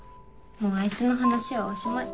もうあいつの話はおしまい。